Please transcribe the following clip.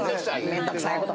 面倒くさいこと。